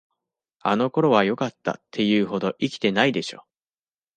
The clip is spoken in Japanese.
あの頃はよかった、って言うほど生きてないでしょ。